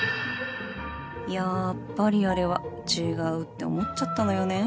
やっぱりあれは違うって思っちゃったのよね